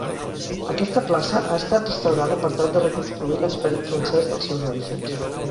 Aquesta plaça ha estat restaurada per tal de reconstruir l'esperit francès dels seus orígens.